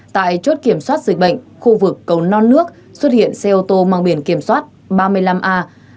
tại chốt kiểm soát dịch bệnh khu vực cầu non nước xuất hiện xe ô tô mang biển kiểm soát ba mươi năm a hai mươi hai nghìn hai trăm chín mươi